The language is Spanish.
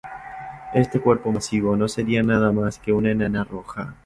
Este cuerpo masivo no sería nada más que una enana roja.